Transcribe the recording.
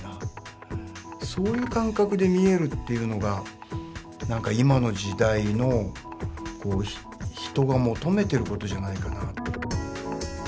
そういう感覚で見えるというのが何か今の時代の人が求めてることじゃないかな。